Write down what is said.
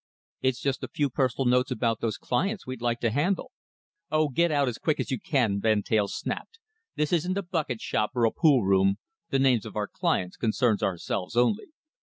"It's just a few personal notes about those clients we'd like to handle." "Oh, get out as quick as you can!" Van Teyl snapped. "This isn't a bucket shop or a pool room. The names of our clients concerns ourselves only."